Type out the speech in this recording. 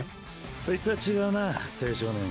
そいつは違うなぁ青少年。